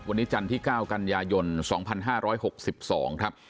วันนี้จันทร์ที่๙กันยายน๒๕๖๒ครับ